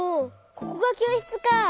ここがきょうしつか。